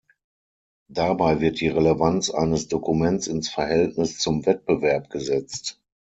Dabei wird die Relevanz eines Dokuments ins Verhältnis zum Wettbewerb gesetzt.